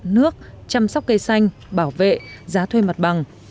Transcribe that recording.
nước chăm sóc cây xanh bảo vệ giá thuê mặt bằng